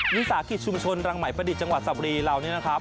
วิสาขิตชุมชนรังใหม่ประดิษฐ์จังหวัดสัปรีเหล่านี้นะครับ